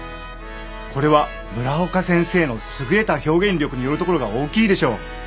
これは村岡先生の優れた表現力によるところが大きいでしょう。